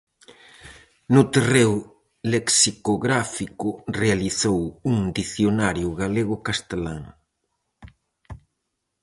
No terreo lexicográfico realizou un Dicionario galego-castelán.